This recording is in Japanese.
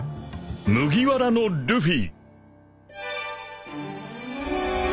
［麦わらのルフィ！］